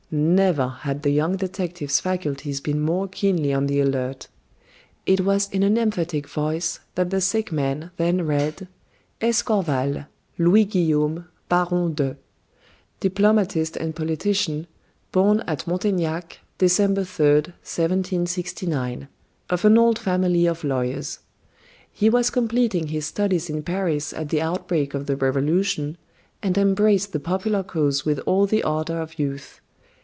Never had the young detective's faculties been more keenly on the alert. It was in an emphatic voice that the sick man then read: "Escorval (Louis Guillaume, baron d'). Diplomatist and politician, born at Montaignac, December 3d, 1769; of an old family of lawyers. He was completing his studies in Paris at the outbreak of the Revolution and embraced the popular cause with all the ardor of youth.